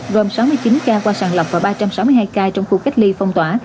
gồm sáu mươi chín ca qua sàng lọc và ba trăm sáu mươi hai ca trong khu cách ly phong tỏa